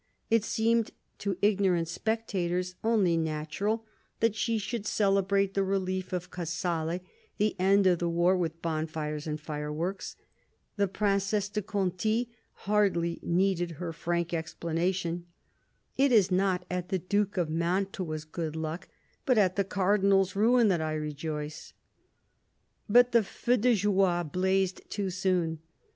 It seemed to ignorant spectators only natural that she should celebrate the relief of Casale, the end of the war, with bonfires and fireworks : the Princesse de Conti hardly needed her frank explanation :" It is not at the Duke of Mantua's good luck, but at the Cardinal's ruin, that I rejoice." But the feux de joie blazed too soon.